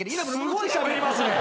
すごいしゃべりますね。